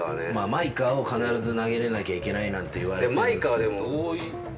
マイカを必ず投げれなきゃいけないなんて言われてるんですけど。